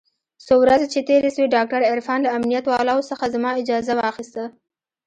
څو ورځې چې تېرې سوې ډاکتر عرفان له امنيت والاو څخه زما اجازه واخيسته.